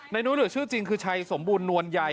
นุ้ยหรือชื่อจริงคือชัยสมบูรณวลใย